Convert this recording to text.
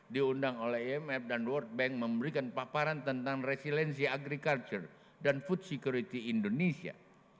diundang oleh imf dan world bank memberikan paparan tentang resilensi agriculture dan food security indonesia